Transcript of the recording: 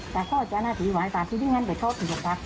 แต่ก็จ้านาธิไว้ฝากที่ดิงอันไปช่องที่ลงภักดิ์